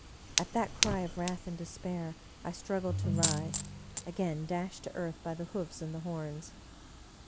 At that cry of wrath and despair I struggled to rise, again dashed to earth by the hoofs and the horns.